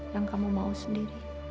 yang kamu mau sendiri